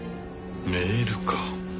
メールか。